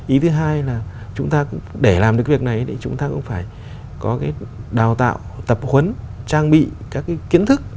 ý thứ hai là chúng ta để làm được việc này thì chúng ta cũng phải có cái đào tạo tập huấn trang bị các kiến thức